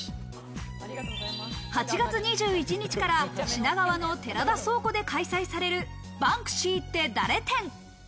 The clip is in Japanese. ８月２１日から品川の寺田倉庫で開催される「バンクシーって誰？展」。